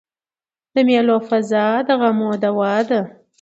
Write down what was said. د مېلو فضا د غمو دوا ده.